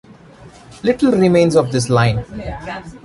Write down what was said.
Little remains of this line.